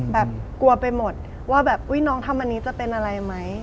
กลัวไปหมดว่าแบบอุ๊ยน้องทำอันนี้จะเป็นอะไรไหม